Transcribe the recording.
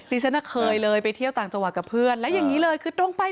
ฉันเคยเลยไปเที่ยวต่างจังหวัดกับเพื่อนแล้วอย่างนี้เลยคือตรงไป